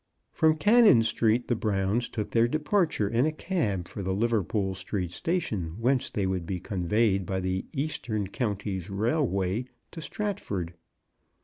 From Cannon Street the Browns took their departure in a cab for the Liverpool Street Sta tion, whence they would be conveyed by the Eastern Counties Railway to Stratford.